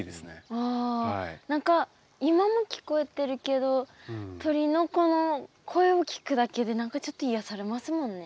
あ何か今も聞こえてるけど鳥のこの声を聞くだけで何かちょっと癒やされますもんね。